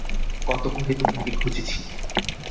কত করে তোমাকে খুঁজেছি।